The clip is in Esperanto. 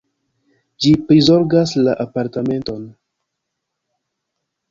Ĝi prizorgas la apartamenton.